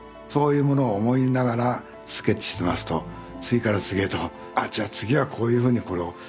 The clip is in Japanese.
そういうものを思いながらスケッチしますと次から次へと「あじゃあ次はこういうふうにこれを」。